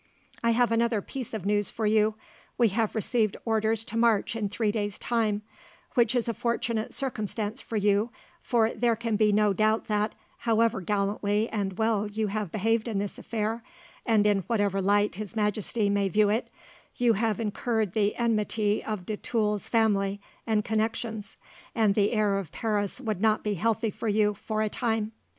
"I have another piece of news for you. We have received orders to march in three days' time, which is a fortunate circumstance for you, for there can be no doubt that, however gallantly and well you have behaved in this affair, and in whatever light His Majesty may view it, you have incurred the enmity of de Tulle's family and connections, and the air of Paris would not be healthy for you, for a time.